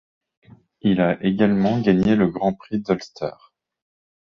Il a également gagné le Grand Prix d'Ulster.